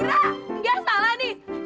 aduh laura gak salah nih